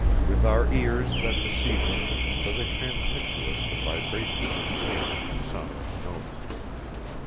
with our ears that deceive us, for they transmit to us the vibrations of the air in sonorous notes.